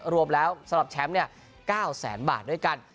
รวมแล้วสำหรับแชมป์๙แสนบาทด้วยกัน